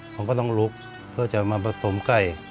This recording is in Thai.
ผมก็ต้องลุกเพื่อจะมาผสมไก่